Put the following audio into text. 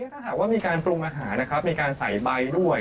ถ้าหากว่ามีการปรุงอาหารนะครับมีการใส่ใบด้วย